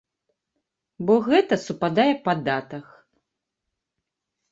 Бо гэта супадае па датах.